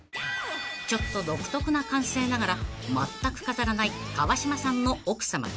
［ちょっと独特な感性ながらまったく飾らない川島さんの奥さま］